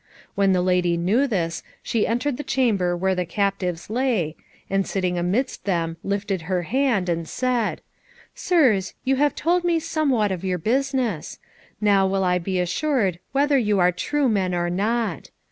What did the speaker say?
When the lady knew this, she entered the chamber where the captives lay, and sitting amidst them lifted her hand, and said, "Sirs, you have told me somewhat of your business; now will I be assured whether you are true men or not.